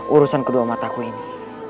urusan kedua mataku ini